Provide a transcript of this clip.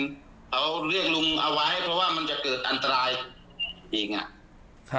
เขาเรียกลุงเอาไว้เพราะว่ามันจะเกิดอันตรายอีกอ่ะ